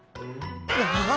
ああ！